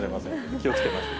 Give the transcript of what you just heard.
気をつけましょう。